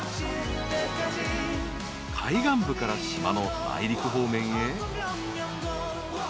［海岸部から島の内陸方面へ］